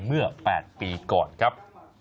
เมื่อ๘ปีก่อนครับ